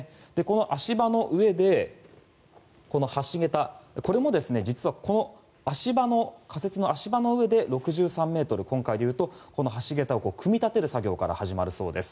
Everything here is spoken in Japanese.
の足場の上で、橋桁これも実は仮設の足場の上で６３ｍ、今回でいうと橋桁を組み立てる作業から始めるそうです。